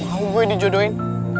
gak mau gue di jodohin